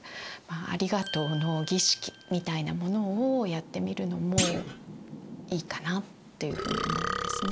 「ありがとうの儀式」みたいなものをやってみるのもいいかなっていうふうに思うんですね。